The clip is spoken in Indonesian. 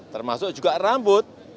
termasuk juga rambut